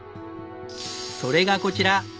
それがこちら！